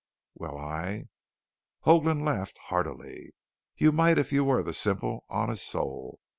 "Well, I " Hoagland laughed heartily. "You might if you were the simple, honest soul.